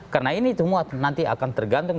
karena ini semua nanti akan tergantung